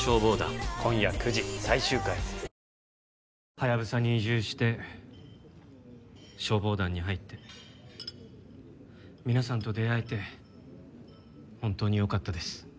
ハヤブサに移住して消防団に入って皆さんと出会えて本当によかったです。